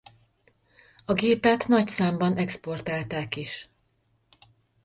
A gépet nagy számban exportálták is.